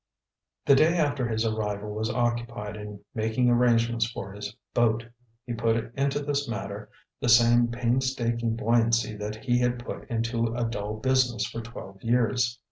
The day after his arrival was occupied in making arrangements for his boat. He put into this matter the same painstaking buoyancy that he had put into a dull business for twelve years.